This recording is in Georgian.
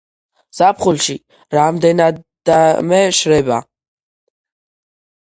ზაფხულში რამდენადმე შრება.